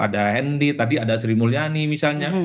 ada hendy tadi ada sri mulyani misalnya